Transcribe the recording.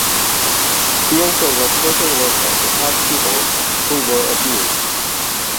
He also was social worker to help people who were abused.